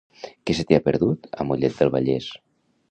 Què se t'hi ha perdut, a Mollet del Vallès?